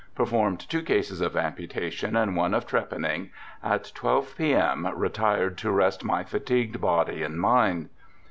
Performed two cases of amputation and one of trepanning. At 12 p.m. retired to rest my fatigued body and mind."